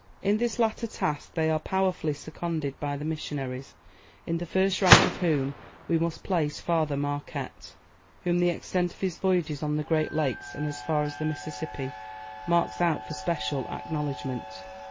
In this latter task they are powerfully seconded by the missionaries, in the first rank of whom we must place Father Marquette, whom the extent of his voyages on the great lakes and as far as the Mississippi marks out for special acknowledgment.